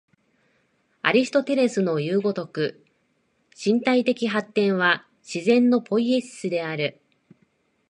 アリストテレスのいう如く、身体的発展は自然のポイエシスである。